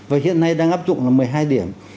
và hiện nay đang áp dụng là một mươi hai điểm